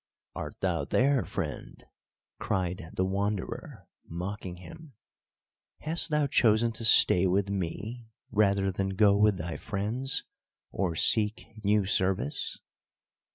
"Art thou there, friend?" cried the Wanderer, mocking him. "Hast thou chosen to stay with me rather than go with thy friends, or seek new service?